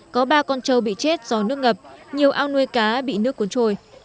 có ba con trâu bị chết do nước ngập nhiều ao nuôi cá bị nước cuốn trôi